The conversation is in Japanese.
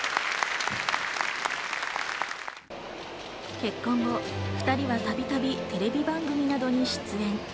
結婚後、２人はたびたびテレビ番組などに出演。